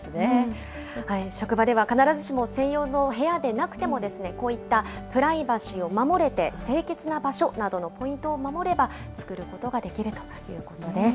職場では必ずしも専用の部屋でなくても、こういったプライバシーを守れて、清潔な場所などのポイントを守れば作ることができるということです。